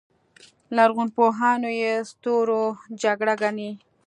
لرغونپوهان یې ستورو جګړه ګڼي